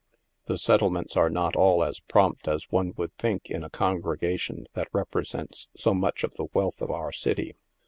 The settlements are not all as prompt as one would think in a congregation that represents so much of the wealth of our city.